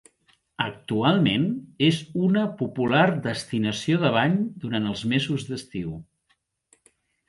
Actualment és una popular destinació de bany durant els mesos d'estiu.